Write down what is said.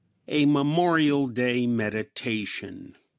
A MEMORIAL DAY MEDITATION.